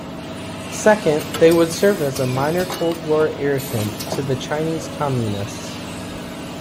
Second, they would serve as a minor Cold War irritant to the Chinese Communists.